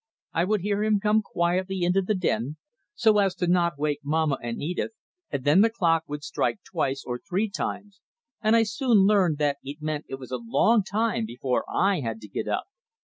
I would hear him come quietly into the den, so as not to wake Mamma and Edith, and then the clock would strike twice, or three times, and I soon learned that that meant it was a long time before I had to get up.